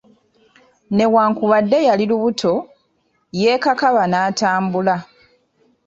Newankubadde yali lubuto, yeekakaba n'atambula.